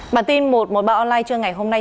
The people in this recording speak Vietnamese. bản tin một trăm một mươi ba online trưa ngày hôm nay